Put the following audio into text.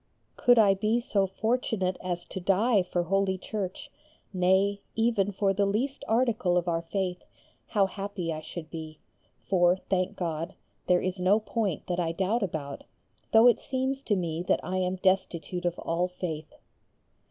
Could I be so fortunate as to die for Holy Church, nay, even for the least article of our Faith, how happy I should be; for, thank God, there is no point that I doubt about, though it seems to me that I am destitute of all faith.